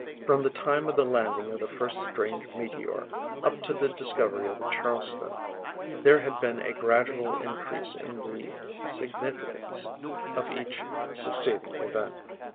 From the time of the landing of the first strange meteor, up to the discovery of the Charleston, there had been a gradual increase in the significance of each succeeding event.